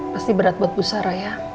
pasti berat buat bu sara ya